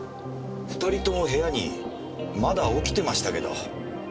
２人とも部屋にまだ起きてましたけど。